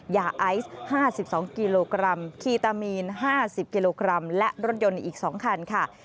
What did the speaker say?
ยาไอซ์๕๒กิโลกรัมคีตามีน๕๐กิโลกรัมและรถยนต์อีก๒คันค่ะ